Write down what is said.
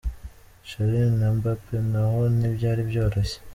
Chiellini na Mbappe nabo ntibyari byoroshye.